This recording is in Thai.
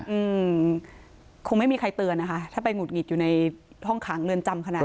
อืมคงไม่มีใครเตือนนะคะถ้าไปหุดหงิดอยู่ในห้องขังเรือนจำขนาด